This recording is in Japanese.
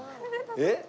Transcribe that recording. えっ？